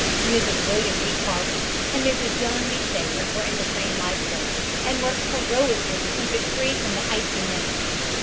Mrs. William E. Carter and Mrs. John B. Thayer were in the same life boat and worked heroically to keep it free from the icy menace.